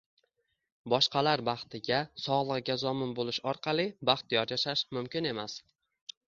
Boshqalar baxtiga, sog`lig`iga zomin bo`lish orqali bahtiyor yashash mumkin emas